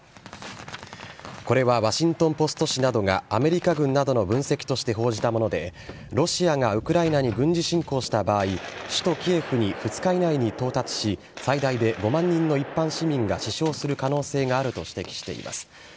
これはワシントン・ポスト紙などがアメリカ軍などの分析として報じたもので、ロシアがウクライナに軍事侵攻した場合、首都キエフに２日以内に到達し、最大で５万人の一般市民が死傷する可能性があると指摘しています。